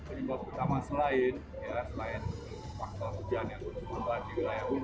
sehingga pertama selain faktor hujan yang berubah di wilayah dulu